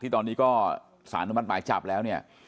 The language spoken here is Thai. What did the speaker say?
ตอนนี้ก็สารอนุมัติหมายจับแล้วเนี่ย